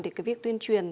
để cái việc tuyên truyền